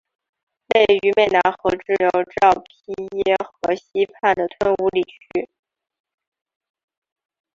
位于湄南河支流昭披耶河西畔的吞武里区。